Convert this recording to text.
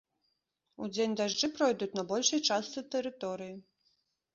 Удзень дажджы пройдуць на большай частцы тэрыторыі.